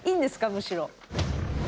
むしろ。